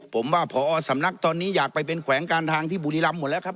ผมว่าพอสำนักตอนนี้อยากไปเป็นแขวงการทางที่บุรีรำหมดแล้วครับ